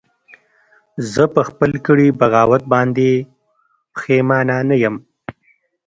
زه په خپل کړي بغاوت باندې پښیمانه نه یم